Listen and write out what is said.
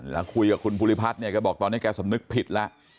แล้วคุยกับคุณภูริพัฒน์เนี่ยแกบอกตอนนี้แกสำนึกผิดแล้ว